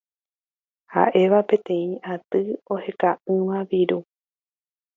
ha'éva peteĩ aty oheka'ỹva viru